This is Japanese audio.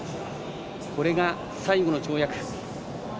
これが最後の跳躍。